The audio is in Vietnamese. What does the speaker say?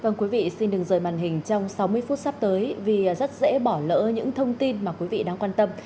vâng quý vị xin đừng rời màn hình trong sáu mươi phút sắp tới vì rất dễ bỏ lỡ những thông tin mà quý vị đáng quan tâm